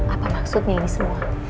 apa maksudnya ini semua